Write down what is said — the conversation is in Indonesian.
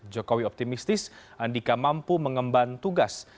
jokowi optimistis andika mampu mengemban tugas